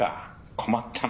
困ったな。